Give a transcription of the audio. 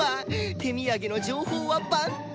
手土産の情報は万端！